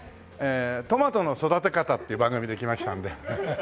「トマトの育て方」っていう番組で来ましたんで。